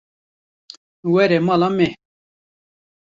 Were mala me.